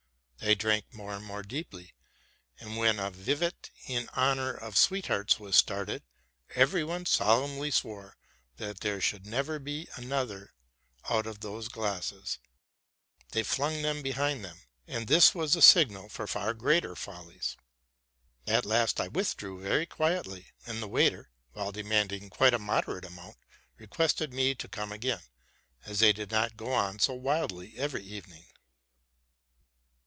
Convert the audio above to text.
They drank more and more deeply: and, when a vivat in honor of sweethearts was started, every one solemnly swore that there should never be another out of those glasses ; they flung them behind them, and this was the signal for 268 TRUTH AND FICTION far greater follies. At last I withdrew very quietly ; and the waiter, while demanding quite a moderate amount, requested me to come again, as they did not go on so wildly every even ing.